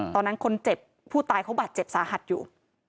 ตอนนั้นคนเจ็บผู้ตายเขาบาดเจ็บสาหัสอยู่